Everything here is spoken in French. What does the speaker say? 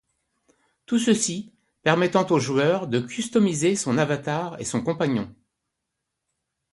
Tout ceci, permettant au joueur de customiser son avatar et son compagnon.